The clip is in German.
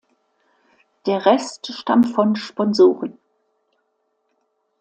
Der Rest stammt von Sponsoren.